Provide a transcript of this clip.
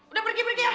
udah pergi pergi ah